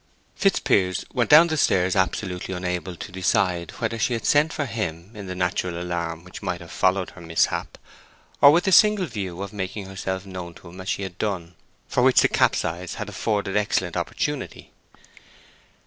Fitzpiers went down the stairs absolutely unable to decide whether she had sent for him in the natural alarm which might have followed her mishap, or with the single view of making herself known to him as she had done, for which the capsize had afforded excellent opportunity.